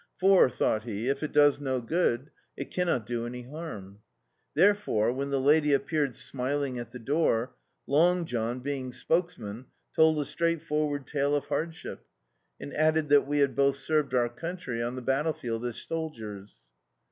For, thou^t he, if it does no good, it caimot do any harm. Therefore, when the lady appeared smiling at the door Long John, being spokesman, told a strai^tforward tale of hard ship, and added that we had both served our country on the batdefield as soldiers.